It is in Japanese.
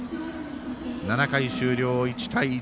７回終了、１対１。